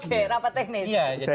oke rapat teknis